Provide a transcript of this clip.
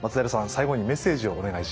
最後にメッセージをお願いします。